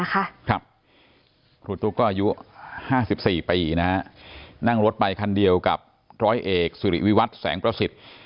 ครูตุ๊กก็อายุ๕๔ปีนั่งรถไปคันเดียวกับร้อยเอกสิริวิวัตรแสงประสิทธิ์